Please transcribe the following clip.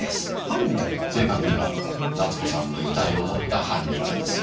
正確には奈津子さんの遺体を持った犯人がです。